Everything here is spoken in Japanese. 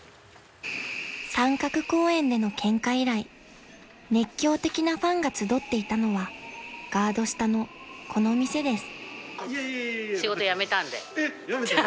［三角公園でのケンカ以来熱狂的なファンが集っていたのはガード下のこの店です］